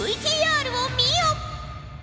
ＶＴＲを見よ！